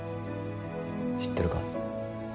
知ってるか？